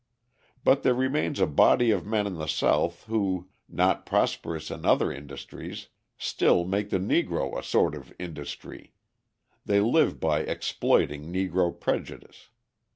But there remains a body of men in the South who, not prosperous in other industries, still make the Negro a sort of industry: they live by exploiting Negro prejudice.